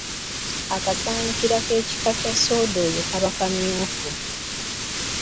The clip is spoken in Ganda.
Akasaaanikira k’ekika kya soda oyo kaba kamyufu.